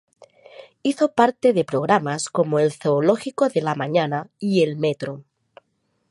Hizo parte de programas como "El Zoológico de la Mañana" y "El Metro".